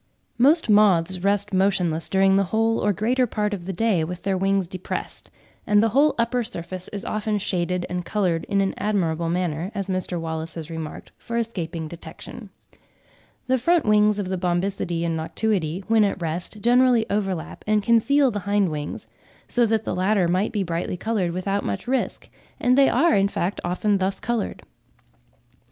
Most Moths rest motionless during the whole or greater part of the day with their wings depressed; and the whole upper surface is often shaded and coloured in an admirable manner, as Mr. Wallace has remarked, for escaping detection. The front wings of the Bombycidae and Noctuidae (11. Mr. Wallace in 'Hardwicke's Science Gossip,' September 1867, p. 193.), when at rest, generally overlap and conceal the hind wings; so that the latter might be brightly coloured without much risk; and they are in fact often thus coloured.